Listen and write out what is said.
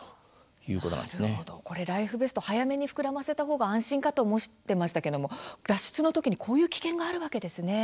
これライフベスト早めに膨らませた方が安心かと思ってましたけども脱出の時にこういう危険があるわけですね。